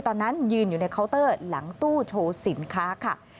ตอนนั้นยืนอยู่ในเคาน์เตอร์หลังตู้โชว์สินค้าค่ะ